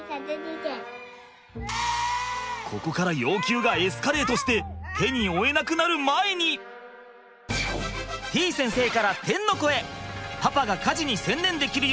ここから要求がエスカレートして手に負えなくなる前にてぃ先生から天の声！